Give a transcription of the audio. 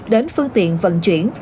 đến phương tiện vận chuyển